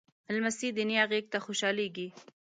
لمسی د نیا غېږ ته خوشحالېږي.